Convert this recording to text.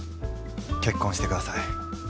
結婚してください。